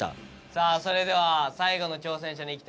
さあそれでは最後の挑戦者にいきたいと思います。